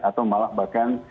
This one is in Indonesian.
atau malah bahkan